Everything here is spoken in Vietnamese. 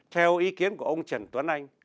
theo ý kiến của ông trần tuấn anh